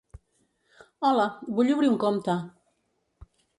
Hola, vull obrir un compte.